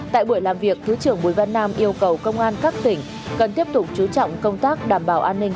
tại buổi làm việc thứ trưởng bùi văn nam yêu cầu công an các tỉnh cần tiếp tục chú trọng công tác đảm bảo an ninh